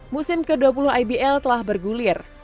musim ke dua puluh ibl telah bergulir